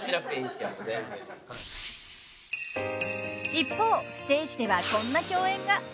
［一方ステージではこんな共演が］